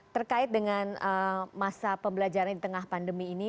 terkait dengan masa pembelajaran di tengah pandemi ini